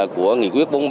của nghị quyết